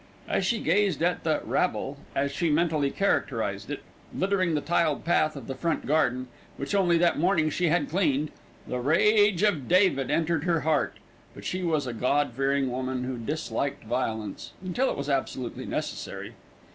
As she gazed at the "rabble," as she mentally characterised it, littering the tiled path of the front garden, which only that morning she had cleaned, the rage of David entered her heart; but she was a God fearing woman who disliked violence until it was absolutely necessary.